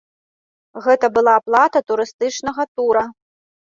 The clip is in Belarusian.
Гэта была аплата турыстычнага тура.